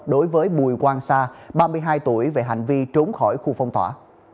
đối với bùi quang sa ba mươi hai tuổi về hành vi trốn khỏi khu phong tỏa